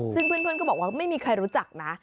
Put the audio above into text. ซึ่งเพื่อนก็บอกว่าไม่มีใครรู้จักนะ